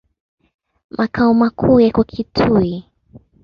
Makao makuu yako Kitui.